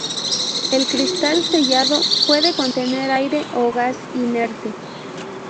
El cristal sellado puede contener aire o gas inerte.